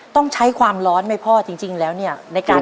ต้องใช้ความร้อนไหมพ่อจริงแล้วเนี่ยในการ